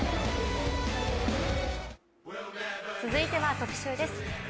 続いては特集です。